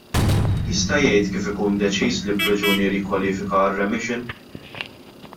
Jista' jgħid kif ikun deċiż li priġunier jikkwalifika għar-remission?